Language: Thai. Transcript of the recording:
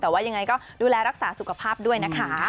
แต่ว่ายังไงก็ดูแลรักษาสุขภาพด้วยนะคะ